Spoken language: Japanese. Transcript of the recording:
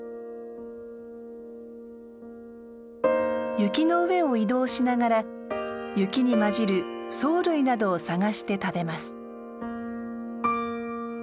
雪の上を移動しながら雪にまじる藻類などを探して食べます。